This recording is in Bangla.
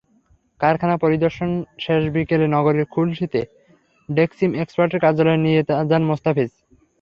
কারখানা পরিদর্শন শেষে বিকেলে নগরীর খুলশীতে ডেনিম এক্সপার্টের কার্যালয়ে নিয়ে যান মোস্তাফিজ।